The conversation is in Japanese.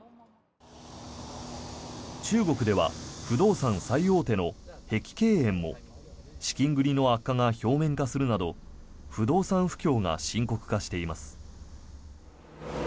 中国では不動産最大手の碧桂園も資金繰りの悪化が表面化するなど不動産不況が深刻化しています。